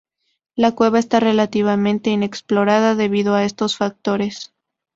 La cueva está relativamente inexplorada debido a estos factores.